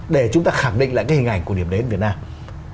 để chúng ta khẳng định lại cái hình ảnh của điểm đến việt nam